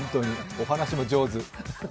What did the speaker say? お話も上手。